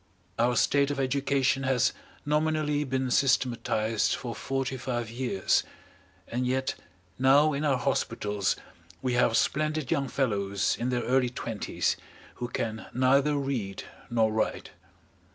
Our state of education has nominally been systematised for forty five years, and yet now in our hospitals we have splendid young fellows in their early twenties who can neither read nor write.